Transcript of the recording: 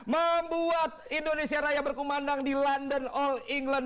membuat indonesia raya berkumandang di london all england dua ribu tujuh belas